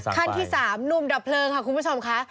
ขั้นที่๓หนุ่มดับเพลิงค่ะคุณผู้ชมค่ะ